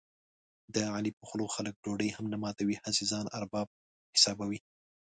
د علي په خوله خلک ډوډۍ هم نه ماتوي، هسې ځان ارباب حسابوي.